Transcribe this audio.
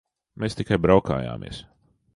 Mēs tikai braukājāmies.